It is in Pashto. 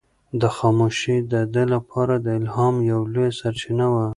دا خاموشي د ده لپاره د الهام یوه لویه سرچینه وه.